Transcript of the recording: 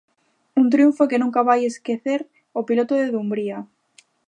Un triunfo que nunca vai esquecer o piloto de Dumbría.